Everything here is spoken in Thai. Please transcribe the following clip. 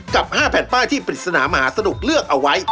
กับ๕แผ่นป้ายที่ปริศนามหาสนุกเลือกเอาไว้